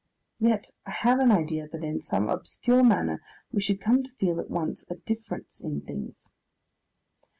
Yet I have an idea that in some obscure manner we should come to feel at once a difference in things.